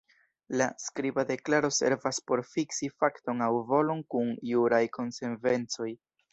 La skriba deklaro servas por fiksi fakton aŭ volon kun juraj konsekvencoj.